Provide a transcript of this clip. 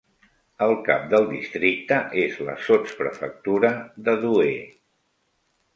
El cap del districte és la sotsprefectura de Douai.